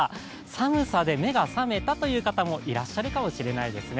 寒さで目が覚めたという方もいらっしゃるかもしれないですね。